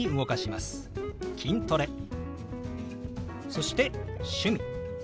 そして「趣味」。